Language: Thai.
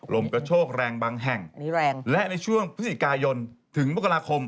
ลมกระโชกแรงบางแห่งนี้แรงและในช่วงพฤศจิกายนถึงมกราคม